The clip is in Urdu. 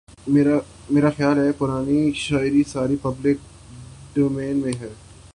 میرا خیال ہے پرانی شاعری ساری پبلک ڈومین میں ہے